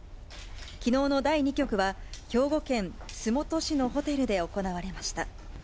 きのうの第２局は兵庫県洲本市のホテルで行われました。